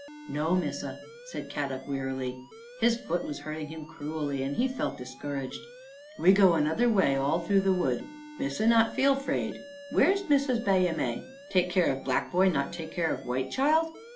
" No, Missa," said Kadok wearily. His foot was hurting him cruelly and he felt discouraged. " We go another way, all through the wood. Missa not feel 'fraid. Where Missa's Baiame? Take care of black boy, not take care of white child?"